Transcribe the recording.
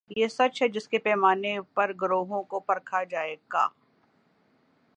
یہ سچ ہے جس کے پیمانے پر گروہوں کو پرکھا جائے گا۔